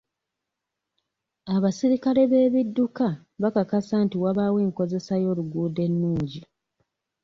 Abasirikale b'ebidduka bakakasa nti wabaawo enkozesa y'oluguudo ennungi.